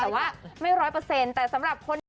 แต่ว่าไม่ร้อยเปอร์เซ็นต์แต่สำหรับคนนี้